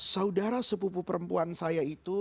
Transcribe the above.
saudara sepupu perempuan saya itu